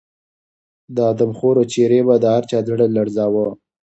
د آدمخورو څېرې به د هر چا زړه لړزاوه.